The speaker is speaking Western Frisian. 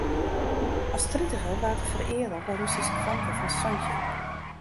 As tritiger waard er fereale op in Russysk famke fan santjin.